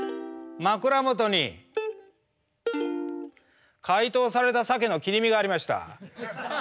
枕元に解凍されたサケの切り身がありました。